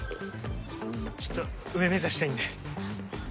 ちょっと上目指したいんで